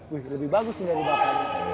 wih lebih bagus tinggal di bapaknya